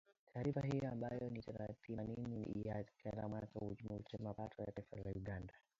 taarifa hiyo ambayo ni tathmini ya kila mwaka ya uchumi ilisema pato la taifa la Uganda